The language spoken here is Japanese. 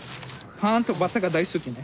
パンとバターが大好きね。